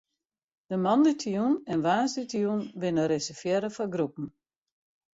De moandeitejûn en woansdeitejûn binne reservearre foar groepen.